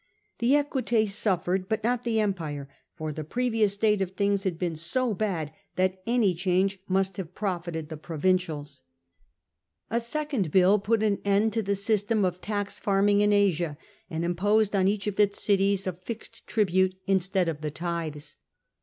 The Equites suffered, but not the empire, for the previous state of things had been so bad that any change must have profited the SULLA REPRESSES THE KNIGHTS 155 provincials. A second bill put an end to the system of tax farming in Asia, and imposed on each of its cities a fixed tribute, instead of the tithes.